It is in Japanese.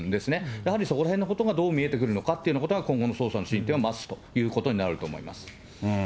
やはりそこらへんのところがどう見えてくるのかっていうのが今後の捜査の進展を待つということになると思います。